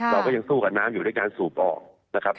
เราก็ยังสู้กับน้ำอยู่ด้วยการสูบออกนะครับ